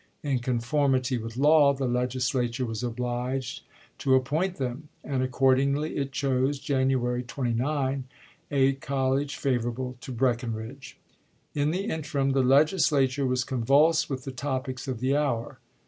In conformity with law, the Legislature was obliged to appoint them ; and accordingly it chose (January 29) a college favor lsei. able to Breckinridge. In the interim the Legisla ture was convulsed with the topics of the hour.